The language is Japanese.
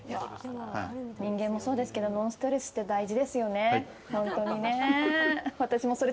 人間もそうですけどノンストレスって大事ですよね。